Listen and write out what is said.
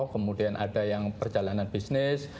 kemudian ada yang perjalanan bisnis